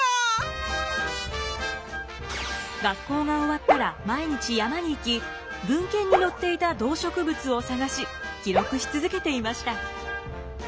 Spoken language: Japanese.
学校が終わったら毎日山に行き文献に載っていた動植物を探し記録し続けていました。